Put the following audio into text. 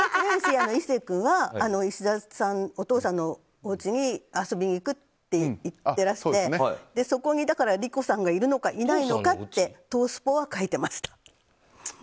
壱成君は石田さん、お父さんのおうちに遊びに行くと言ってらしてそこに理子さんがいるのかいないのかって東スポは書いてました。